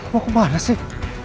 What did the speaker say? mau kemana sih